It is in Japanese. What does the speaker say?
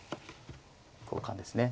交換ですね。